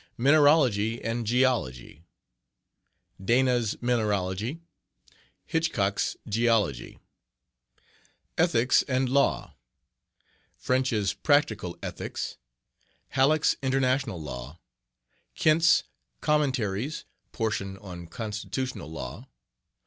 Mineralogy and Geology....Dana's Mineralogy. Hitchcock's Geology. Ethics and Law............French's Practical Ethics. Halleck's International Law. Kent's Commentaries (portion on Constitutional Law).